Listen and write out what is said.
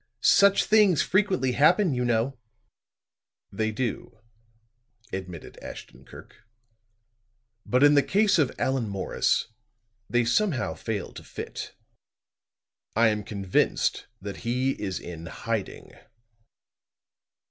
Such things frequently happen, you know." "They do," admitted Ashton Kirk. "But in the case of Allan Morris, they somehow fail to fit. I am convinced that he is in hiding."